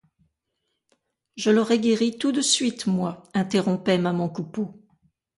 Je l'aurais guérie tout de suite, moi, interrompait maman Coupeau.